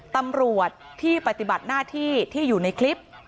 ตำรวจที่ปฏิบัติหน้าที่ที่อยู่ในคลิป